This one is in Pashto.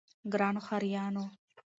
ګرانو ښاريانو!